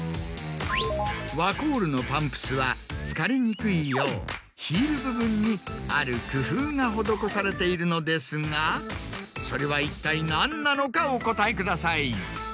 ワコールのパンプスは疲れにくいようヒール部分にある工夫が施されているのですがそれは一体何なのかお答えください。